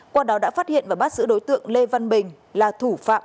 qua đó đã phát hiện và bắt giữ đối tượng lê văn bình là thủ phạm